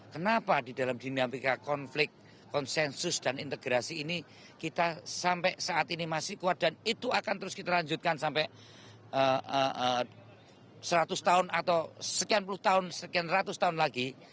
kenapa di dalam dinamika konflik konsensus dan integrasi ini kita sampai saat ini masih kuat dan itu akan terus kita lanjutkan sampai seratus tahun atau sekian puluh tahun sekian ratus tahun lagi